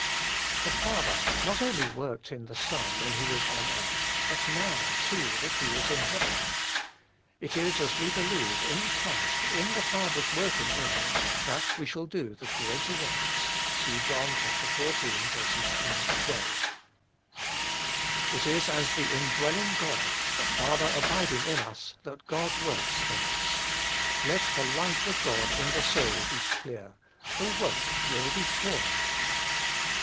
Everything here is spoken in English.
, 2. The Father not only worked in the Son when He was on earth, but now, too, that He is in heaven. It is as we believe in Christ in the Father's zvorking^ in Him, that we shall do the greater works, oee John xiv. 10 12. 3. It is as the indwelling God, the Father abiding in us, that God works iii us. Let the life of God in the soul be clear, the work will be sure.